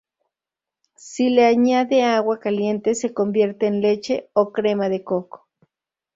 Si se le añade agua caliente, se convierte en leche o crema de coco.